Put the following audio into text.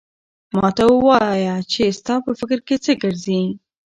ما ته وایه چې ستا په فکر کې څه ګرځي؟